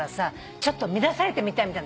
ちょっと乱されてみたいみたいなときもない？